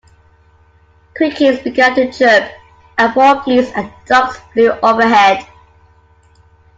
Crickets began to chirp, and more geese and ducks flew overhead.